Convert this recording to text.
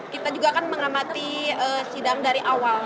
kita juga akan mengamati sidang dari awal